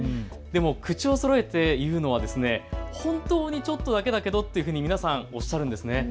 でも口をそろえて言うのは本当にちょっとだけだけどっていうふうに皆さん、おっしゃるんですね。